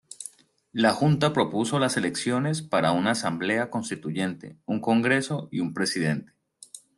La junta propuso las elecciones para una asamblea constituyente, un congreso, y un presidente.